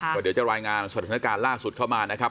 ก็เดี๋ยวจะรายงานสถานการณ์ล่าสุดเข้ามานะครับ